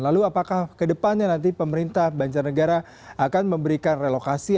lalu apakah ke depannya nanti pemerintah banjarnegara akan memberikan relokasi